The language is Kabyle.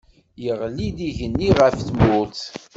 Yeɣli-d igenni ɣef tmurt.